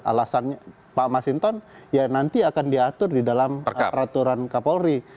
alasannya pak masinton ya nanti akan diatur di dalam peraturan kapolri